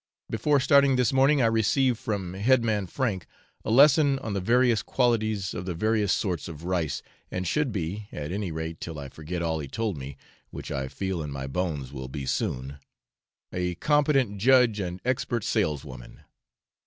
Before starting this morning I received from head man Frank a lesson on the various qualities of the various sorts of rice, and should be (at any rate till I forget all he told me, which I 'feel in my bones' will be soon) a competent judge and expert saleswoman.